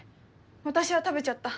私は食べちゃった。